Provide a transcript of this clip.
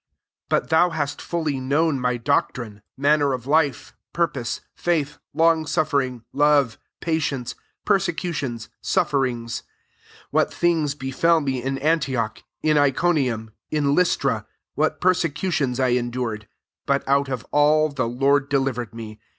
10 But thou hast fully known my doctrine, manner of life, purpose, faitb» long suffering, Jove, patienc^, II persecutions, sufferings ; what things befel me in Antioch, in Iconium, in Lystra, what persecutions I en dured : but out of all the Lord .delivered me.